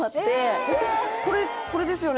「これですよね？